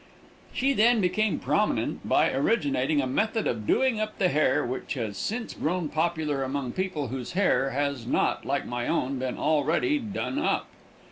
She then became prominent by originating a method of doing up the hair, which has since grown popular among people whose hair has not, like my own, been already "done up."